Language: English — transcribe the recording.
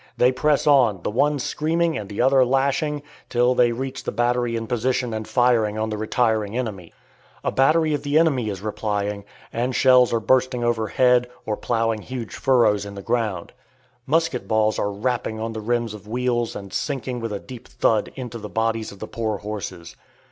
They press on, the one screaming and the other lashing, till they reach the battery in position and firing on the retiring enemy. A battery of the enemy is replying, and shells are bursting overhead, or ploughing huge furrows in the ground. Musket balls are "rapping" on the rims of the wheels and sinking with a deep "thud" into the bodies of the poor horses.